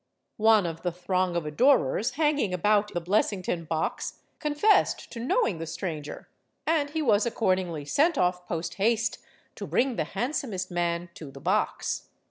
One of the throng of adorers hanging about the Blessington box confessed to knowing the stranger, and he was accordingly sent off posthaste to bring the "handsomest man" to the box.